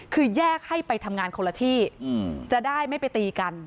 คือแยกให้ไปทำงานคนละที่จะได้ไม่ไปตีกัน